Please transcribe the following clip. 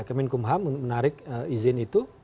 kemenkumham menarik izin itu